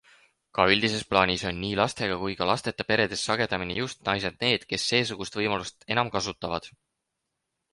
Ka üldises plaanis on nii lastega kui ka lasteta peredes sagedamini just naised need, kes seesugust võimalust enam kasutavad.